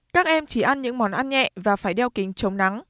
các em chỉ ăn những món ăn nhẹ và phải đeo kính chống nắng